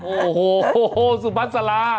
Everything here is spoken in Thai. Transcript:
โอ้โหโอ้โหสุพันธ์สลาค